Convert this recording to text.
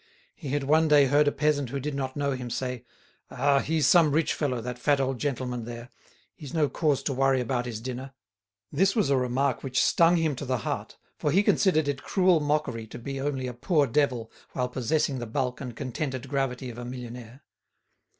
He had one day heard a peasant who did not know him say: "Ah! he's some rich fellow, that fat old gentleman there. He's no cause to worry about his dinner!" This was a remark which stung him to the heart, for he considered it cruel mockery to be only a poor devil while possessing the bulk and contented gravity of a millionaire.